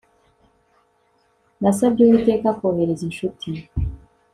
Nasabye Uwiteka kohereza inshuti